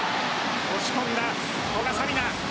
押し込んだ古賀紗理那。